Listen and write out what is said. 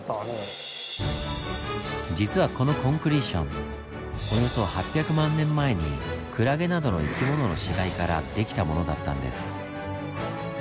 実はこのコンクリーションおよそ８００万年前にクラゲなどの生き物の死骸からできたものだったんです。